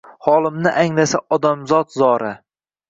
“Holimni anglasa odamzod zora